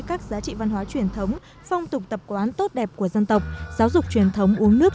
các giá trị văn hóa truyền thống phong tục tập quán tốt đẹp của dân tộc giáo dục truyền thống uống nước